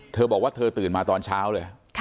เธอบอกว่าเธอตื่นมาตอนเช้าเลย